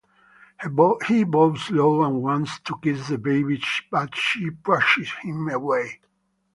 He bows low and wants to kiss the baby but she pushes him away.